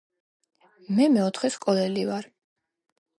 მე მეოთხე სკოლელი ვარ.